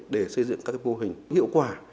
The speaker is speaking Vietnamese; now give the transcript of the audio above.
để xây dựng các vô hình hiệu quả